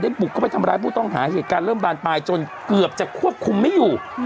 ได้บุกเข้าไปทำร้ายผู้ต้องหาเกือบจะควบคุมไม่อยู่